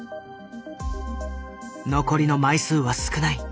残りの枚数は少ない。